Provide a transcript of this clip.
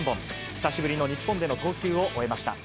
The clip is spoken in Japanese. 久しぶりの日本での投球を終えました。